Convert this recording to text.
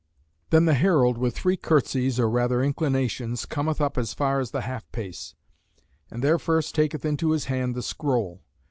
Then the herald with three curtesies, or rather inclinations, cometh up as far as the half pace; and there first taketh into his hand the scroll.